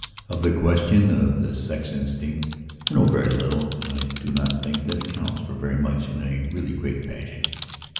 Of the question of the sex instinct I know very little and I do not think that it counts for very much in a really great passion.